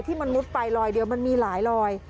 ที่มันมุดไปลอยเดียวมันมีหลายลอย